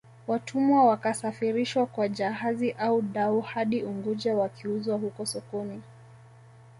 Watumwa wakasafirishwa kwa jahazi au dau hadi Unguja wakiuzwa huko sokoni